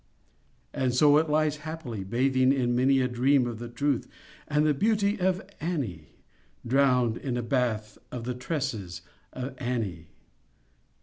And so it lies happily, Bathing in many A dream of the truth And the beauty of Annie— Drowned in a bath Of the tresses of Annie.